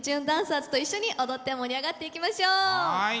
ダンサーズと一緒に踊って盛り上がっていきましょう。